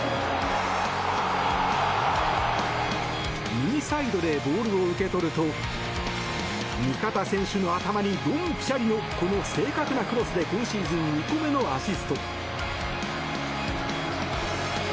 右サイドでボールを受け取ると味方選手の頭にドンピシャリのこの正確なクロスで今シーズン２個目のアシスト。